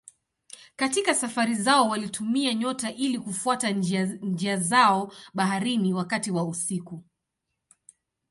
Katika safari zao walitumia nyota ili kufuata njia zao baharini wakati wa usiku.